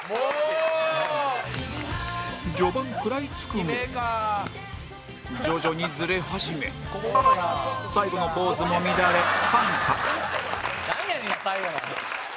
序盤食らいつくも徐々にズレ始め最後のポーズも乱れ△なんやねん最後の。